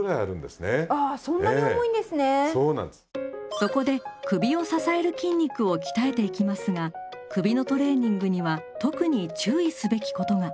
そこで首を支える筋肉を鍛えていきますが首のトレーニングには特に注意すべきことが。